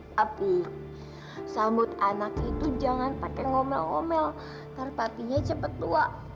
tapi sambut anak itu jangan pakai ngomel ngomel tarp apinya cepet tua